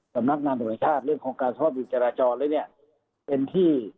สำนักงานโดยชาติเรื่องโครงการสุภาพรุนจราจรแล้วเนี่ยเป็นที่